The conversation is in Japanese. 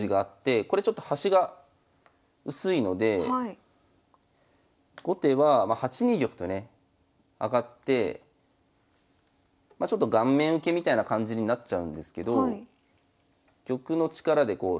これちょっと端が薄いので後手は８二玉とね上がってまあちょっと顔面受けみたいな感じになっちゃうんですけど玉の力でこう端をケアしてるんですね。